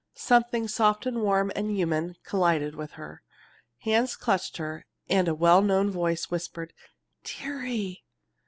Something soft and warm and human collided with her. Hands clutched her, and a well known voice whispered, "Dearie!"